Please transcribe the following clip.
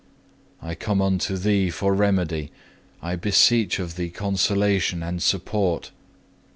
I come unto Thee for remedy, I beseech of Thee consolation and support.